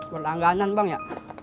berlangganan bang ya